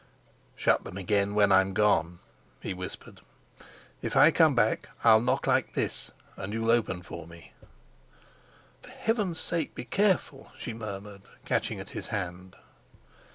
"Shut them again when I'm gone," he whispered. "If I come back, I'll knock like this, and you'll open for me." "For heaven's sake, be careful," she murmured, catching at his hand.